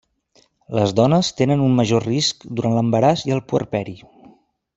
Les dones tenen un major risc durant l'embaràs i el puerperi.